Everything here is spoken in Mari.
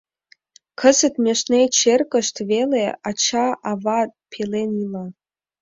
Кызыт межнеч эргышт веле ача-ава пелен ила.